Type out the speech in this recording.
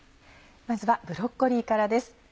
まずはブロッコリーからです。